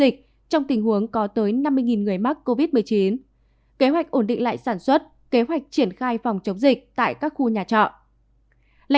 dịch trong tình huống có tới năm mươi người mắc covid một mươi chín kế hoạch ổn định lại sản xuất kế hoạch triển khai phòng chống dịch tại các khu nhà trọ là